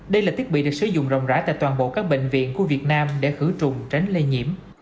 đây là thiết bị được sử dụng rộng rãi tại toàn bộ các bệnh viện của việt nam để khử trùng tránh lây nhiễm